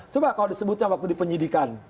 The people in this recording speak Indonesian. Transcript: coba kalau disebutnya waktu dipenyidikan